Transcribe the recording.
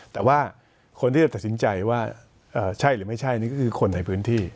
แต่ว่าคนที่จะตัดสินใจว่าใช่หรือไม่ใช่นี่ก็คือคนในพื้นที่